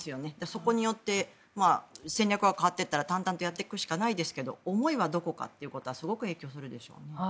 そこによって、戦略は変わっていったら淡々とやっていくしかないですが思いはどこかっていうことはすごく影響するでしょうね。